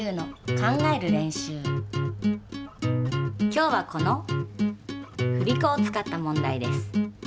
今日はこの振り子を使った問題です。